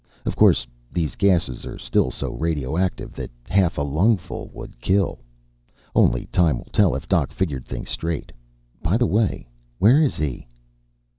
Of course these gases are still so radioactive that half a lungful would kill. Only time will tell if Doc figured things straight. By the way, where is he?"